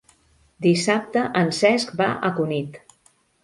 Dissabte en Cesc va a Cunit.